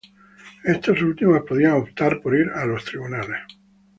Estos últimos podían optar por ir a los tribunales.